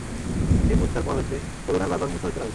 সেই মূর্ছার পর হইতে করুণার বার বার মুর্ছা হইতে লাগিল।